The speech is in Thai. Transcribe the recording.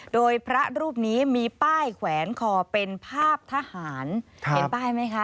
โดยพระรูปนี้มีป้ายแขวนคอเป็นภาพทหารเห็นป้ายไหมคะ